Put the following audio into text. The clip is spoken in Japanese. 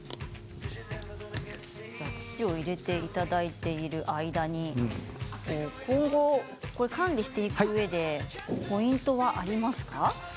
土を入れていただいている間に今後、管理していくうえでポイントはありますか？